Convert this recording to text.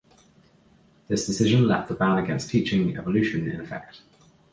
This decision left the ban against teaching evolution in effect.